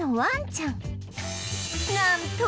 なんと